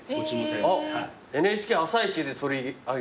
あっＮＨＫ『あさイチ』で取り上げられた。